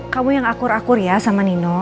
kamu yang akur akur ya sama nino